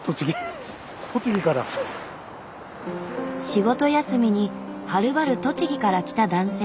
仕事休みにはるばる栃木から来た男性。